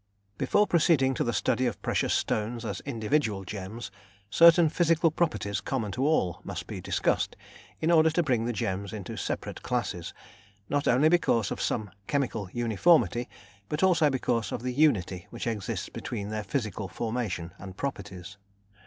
Before proceeding to the study of precious stones as individual gems, certain physical properties common to all must be discussed, in order to bring the gems into separate classes, not only because of some chemical uniformity, but also because of the unity which exists between their physical formation and properties.